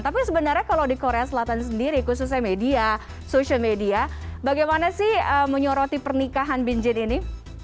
tapi sebenarnya kalau di korea selatan sendiri khususnya media sosial media bagaimana sih menyoroti pernikahan bin jin ini